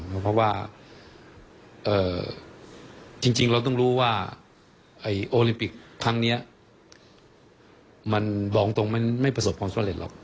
เพราะว่าจริงเราต้องรู้ว่าโอลิมปิกครั้งนี้มันบอกตรงมันไม่ประสบความสำเร็จหรอก